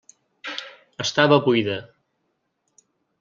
Estava buida.